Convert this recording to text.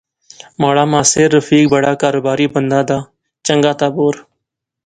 مہاڑا ماسیر رفیق بڑا کاروباری بندہ دا۔ چنگا تر بور